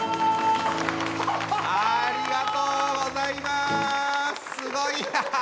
ありがとうございますすごい！